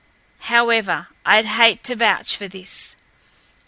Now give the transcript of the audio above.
However, I'd hate to vouch for this.